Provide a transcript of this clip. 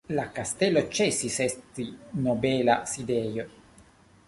La kastelo ĉesis esti nobela sidejo.